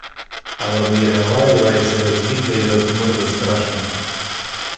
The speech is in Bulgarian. Ала Мирилайлай се развика и размърда страшно.